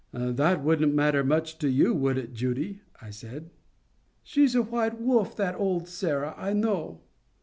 "That wouldn't matter much to you, would it, Judy?" I said. "She's a white wolf, that old Sarah, I know?"